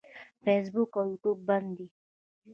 فیسبوک او یوټیوب بند دي.